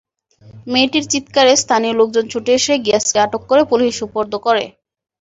মেয়েটির চিৎকারে স্থানীয় লোকজন ছুটে এসে গিয়াসকে আটক করে পুলিশে সোপর্দ করে।